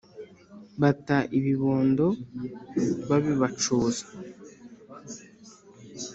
bata ibibondo babibacuza